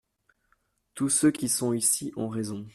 Tous ceux qui sont ici ont raison.